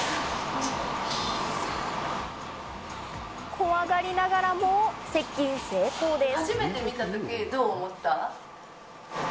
怖がりながらも接近成功です。